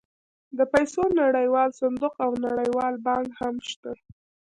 د پیسو نړیوال صندوق او نړیوال بانک هم شته